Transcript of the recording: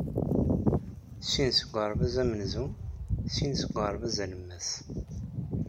Sin seg uɣerbaz amenzu, sin seg uɣerbaz alemmas.